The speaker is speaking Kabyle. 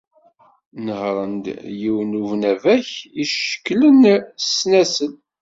Nehren-d yiwen ubnabak icekklen s ssnasel.